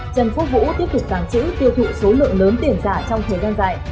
trần quốc vũ tiếp tục tàng trữ tiêu thụ số lượng lớn tiền giả trong thời gian dài